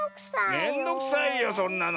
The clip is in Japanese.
めんどくさいよそんなの。